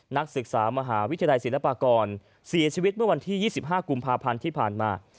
นักศึกษามหาวิทยาลัยศิลปากรเสียชีวิตเมื่อวันที่๒๕กุมภาพันธ์ที่ผ่านมา